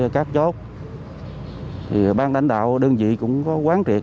các chốt thì ban đảnh đạo đơn vị cũng có quán triệt